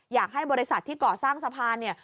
อยากให้บริษัทที่ก่อสร้างสะพานเนี่ย